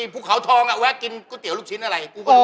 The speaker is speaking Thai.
ผู้เขาทองก็แวะกินกูติ๋วลูกชิ้นอะไร